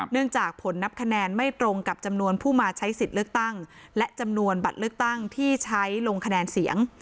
จากผลนับคะแนนไม่ตรงกับจำนวนผู้มาใช้สิทธิ์เลือกตั้งและจำนวนบัตรเลือกตั้งที่ใช้ลงคะแนนเสียง